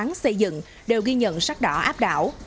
các ngành vốn xây dựng đều ghi nhận sắc đỏ áp đảo